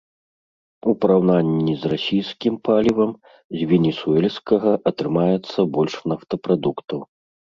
У параўнанні з расійскім палівам, з венесуэльскага атрымаецца больш нафтапрадуктаў.